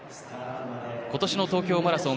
今年の東京マラソン